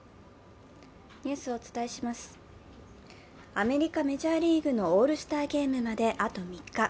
アメリカ・メジャーリーグのオールスターゲームまであと３日。